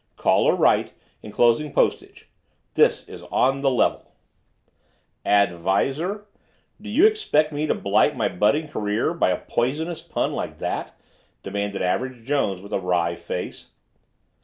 Call or Write, Enclosing Postage. This Is On The Level. Jones, Ad Visor "Ad Visor! Do you expect me to blight my budding career by a poisonous pun like that?" demanded Average Jones with a wry face.